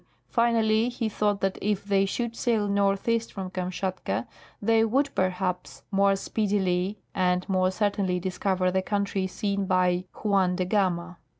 Finally, he thought that if they should sail southeast from Kamschatka they would perhaps more speedily and more certainly discover the country seen by Juan de Gama.'